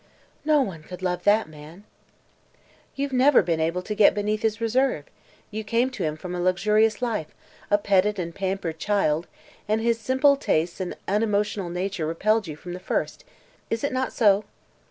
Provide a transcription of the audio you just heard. "No one could love that man." "You have never been able to get beneath his reserve. You came to him from a luxurious life, a petted and pampered child, and his simple tastes and unemotional nature repelled you from the first. Is it not so?"